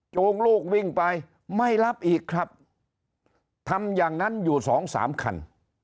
จูงลูกวิ่งไปไม่รับอีกครับทำอย่างนั้นอยู่สองสามคัน